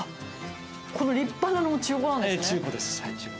この立派なのも中古なんです中古です。